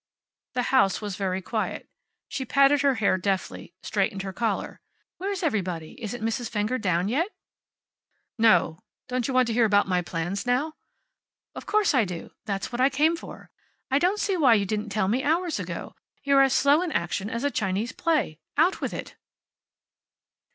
The house was very quiet. She patted her hair deftly, straightened her collar. "Where's everybody? Isn't Mrs. Fenger down yet?" "No. Don't you want to hear about my plans now?" "Of course I do. That's what I came for. I don't see why you didn't tell me hours ago. You're as slow in action as a Chinese play. Out with it."